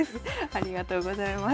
ありがとうございます。